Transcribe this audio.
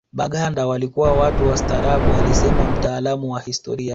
Baganda walikuwa watu wastaarabu alisema mtaalamu wa historia